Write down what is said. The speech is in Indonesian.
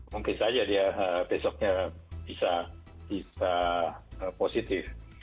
mungkin saja dia besoknya bisa positif